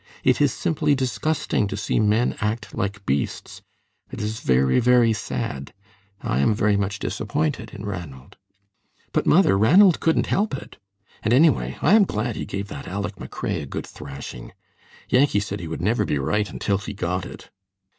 It is simply disgusting to see men act like beasts. It is very, very sad. I am very much disappointed in Ranald." "But, mother, Ranald couldn't help it. And anyway, I am glad he gave that Aleck McRae a good thrashing. Yankee said he would never be right until he got it."